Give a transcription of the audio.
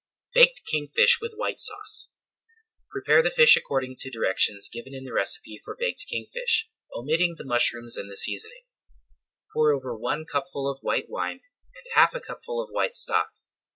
BAKED KING FISH WITH WHITE SAUCE Prepare the fish according to directions given in the recipe for Baked Kingfish, omitting the mushrooms and the seasoning. Pour over one cupful of white wine, and half a cupful of white stock.